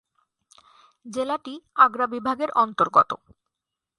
জেলাটি আগ্রা বিভাগের অন্তর্গত।